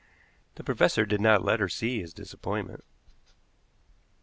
The professor did not let her see his disappointment.